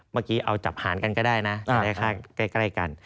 เมื่อกี้เอาจับหารกันก็ได้นะอยู่ใกล้กัน